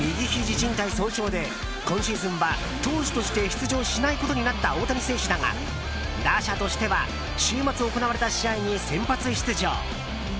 じん帯損傷で今シーズンは投手として出場しないことになった大谷選手だが打者としては週末行われた試合に先発出場。